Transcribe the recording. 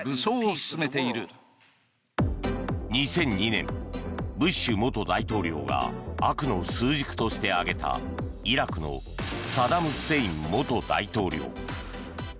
２００２年ブッシュ元大統領が悪の枢軸として挙げたイラクのサダム・フセイン元大統領。